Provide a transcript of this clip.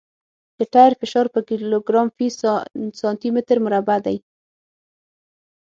د ټیر فشار په کیلوګرام فی سانتي متر مربع دی